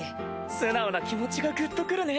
素直な気持ちがグッとくるね！